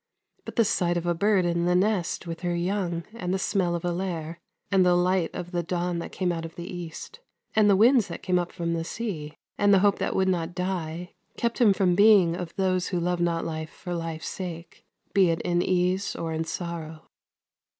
But the sight of a bird in the nest with her young, and the smell of a lair, and the light of the dawn that came out of the east, and the winds that came up from the sea, and the hope that would not die kept him from being of those who love not life for life's sake, be it in ease or in sor row.